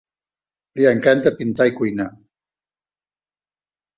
Li encanta pintar i cuinar.